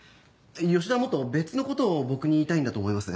吉田はもっと別のことを僕に言いたいんだと思います。